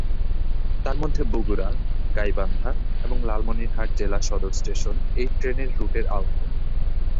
তারমধ্যে বগুড়া, গাইবান্ধা এবং লালমনিরহাট জেলা সদর স্টেশন এই ট্রেনের রুটের আওতায়।